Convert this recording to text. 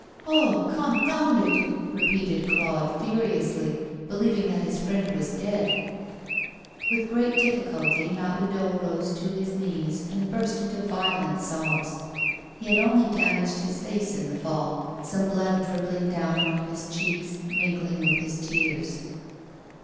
'Ah! confound it!' repeated Claude, furiously, believing that his friend was dead. With great difficulty Mahoudeau rose to his knees, and burst into violent sobs. He had only damaged his face in the fall. Some blood dribbled down one of his cheeks, mingling with his tears.